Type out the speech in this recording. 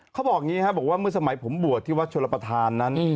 เขาบอกอย่างนี้ครับบอกว่าเมื่อสมัยผมบวชที่วัดชลประธานนั้น